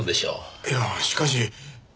いやしかし。